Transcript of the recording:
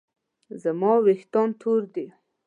زما ویښتان تور دي